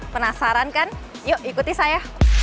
penasaran kan yuk ikuti saya